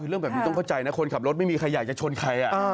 เรื่องแบบนี้ต้องเข้าใจนะคนขับรถไม่มีใครอยากจะชนใคร